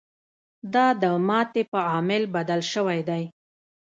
دا د ماتې په عامل بدل شوی دی.